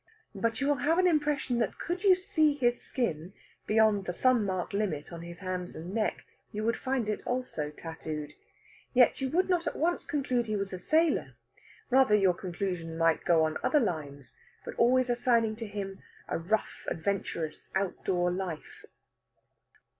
But you will have an impression that could you see his skin beyond the sun mark limit on his hands and neck, you would find it also tattooed. Yet you would not at once conclude he was a sailor; rather, your conclusion might go on other lines, but always assigning to him a rough adventurous outdoor life.